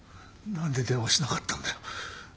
何で電話しなかったんだよ。